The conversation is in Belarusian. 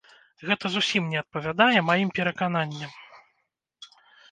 Гэта зусім не адпавядае маім перакананням.